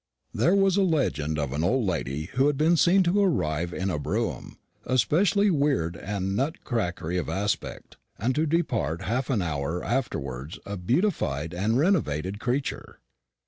There was a legend of an old lady who had been seen to arrive in a brougham, especially weird and nut crackery of aspect, and to depart half an hour afterwards a beautified and renovated creature.